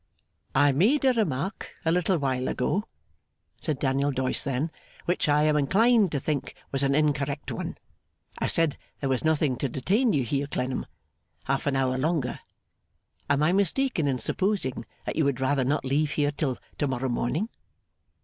'I made a remark a little while ago,' said Daniel Doyce then, 'which I am inclined to think was an incorrect one. I said there was nothing to detain you here, Clennam, half an hour longer. Am I mistaken in supposing that you would rather not leave here till to morrow morning?